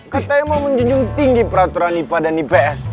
katanya mau menjunjung tinggi peraturan ipa dan ips